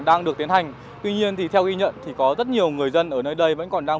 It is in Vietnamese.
đang được tiến hành tuy nhiên thì theo ghi nhận thì có rất nhiều người dân ở nơi đây vẫn còn đang